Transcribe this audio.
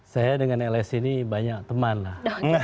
saya dengan lsi ini banyak teman lah